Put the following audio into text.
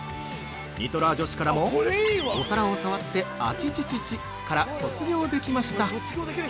ニトラー女子からも「お皿を触ってアチチチチから卒業できました！」